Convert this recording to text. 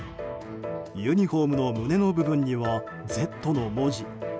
ユニホームの胸の部分には「Ｚ」の文字。